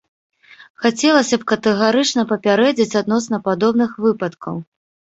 Хацелася б катэгарычна папярэдзіць адносна падобных выпадкаў.